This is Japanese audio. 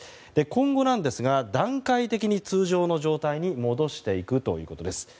今後なんですが段階的に通常の状態に戻していくということです。